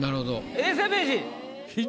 永世名人。